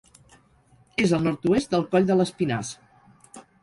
És al nord-oest del Coll de l'Espinàs.